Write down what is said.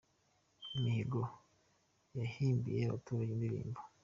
Mihigo yahimbiye abaturajye indirimbo